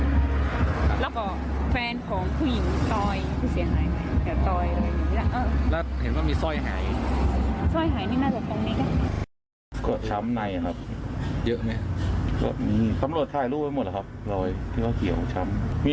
แล้วก็แฟนของกุญแฟนของผู้หญิงต่อยมีเสียหายไหม